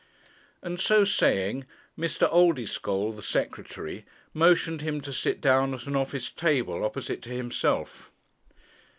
And so saying, Mr. Oldeschole, the Secretary, motioned him to sit down at an office table opposite to himself.